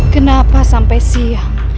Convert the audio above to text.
kenapa sampai siang